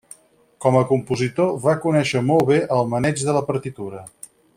Com a compositor, va conèixer molt bé el maneig de la partitura.